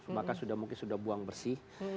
maka mungkin sudah buang bersih